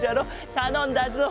たのんだぞ。